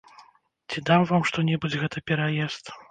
Ці даў вам што-небудзь гэты пераезд?